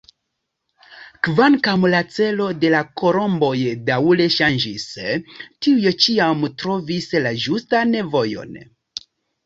Kvankam la celo de la kolomboj daŭre ŝanĝis, tiuj ĉiam trovis la ĝustan vojon.